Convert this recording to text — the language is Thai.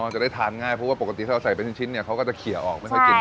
จะได้ทานง่ายเพราะว่าปกติถ้าเราใส่เป็นชิ้นเนี่ยเขาก็จะเขียออกไม่ค่อยกิน